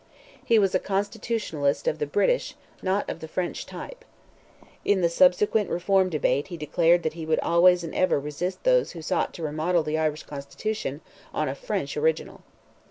He was a constitutionalist of the British, not of the French type. In the subsequent Reform debate he declared that he would always and ever resist those who sought to remodel the Irish constitution on a French original.